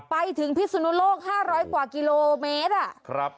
ไปถึงพิศนโลก๕๐๐กว่ากิโลเมตรอ่ะครับ